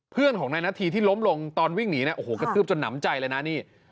เพื่อนของนายนาธีที่ล้มลงตอนวิ่งหนีเนี่ยโอ้โหกระทืบจนหนำใจเลยนะนี่